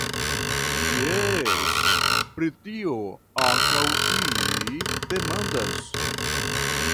Jes, pri tio ankaŭ mi demandas?